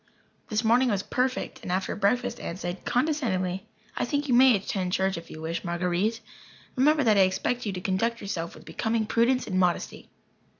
This morning was perfect, and after breakfast Aunt said, condescendingly: "I think you may attend church if you wish, Marguer_ite_. Remember that I expect you to conduct yourself with becoming prudence and modesty."